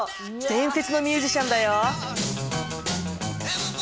伝説のミュージシャンだよ。